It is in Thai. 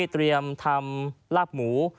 เตรียมทำลาบหมู